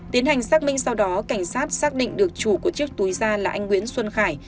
tiến hành xác minh sau đó cảnh sát xác định được chủ của chiếc túi ra là anh nguyễn xuân khải